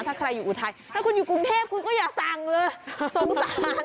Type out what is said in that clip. ถ้าใครอยู่อุทัยถ้าคุณอยู่กรุงเทพคุณก็อย่าสั่งเลยสงสาร